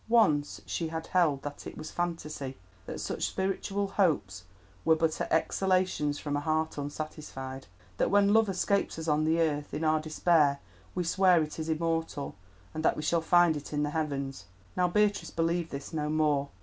Once she had held that it was phantasy: that such spiritual hopes were but exhalations from a heart unsatisfied; that when love escapes us on the earth, in our despair, we swear it is immortal, and that we shall find it in the heavens. Now Beatrice believed this no more.